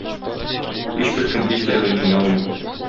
Һичберкем һичберәүне җиңә алмый.